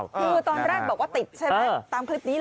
คือตอนแรกบอกว่าติดใช่ไหมตามคลิปนี้เลย